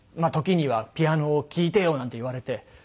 時には「ピアノを聴いてよ」なんて言われて。